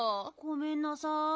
ごめんなさい。